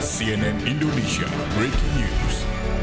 cnn indonesia breaking news